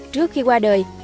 trước khi qua đời